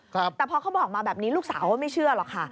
แต่พอเขาบอกมาแบบนี้ลูกสาวก็ไม่เชื่อหรอกค่ะ